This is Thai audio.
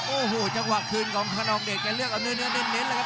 โอ้โหจังหวะคืนของคนนองเดชแกเลือกเอาเนื้อเน้นเลยครับ